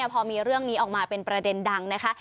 พอมีเรื่องนี้ออกมาเป็นประเด็นดังนะคะ